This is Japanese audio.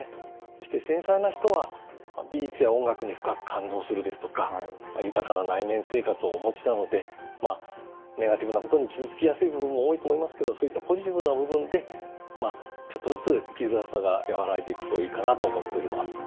そして繊細な人は美術や音楽に深く感動するですとか豊かな内面生活をお持ちなのでネガティブなことに傷つきやすい部分も多いと思いますけどそういったポジティブな部分でちょっとずつ生きづらさが和らいでいくといいかなと思っております。